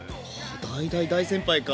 大大大先輩か。